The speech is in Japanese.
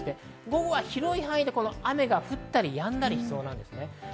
午後は広い範囲で雨が降ったりやんだりしそうです。